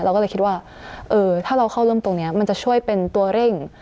เราก็เลยคิดว่าเออถ้าเราเข้าร่มตรงนี้มันจะช่วยเป็นตัวเร่ง